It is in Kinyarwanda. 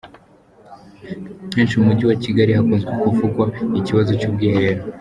Henshi mu mujyi wa Kigali hakunze kuvugwa ikibazo cy’ubwiherero.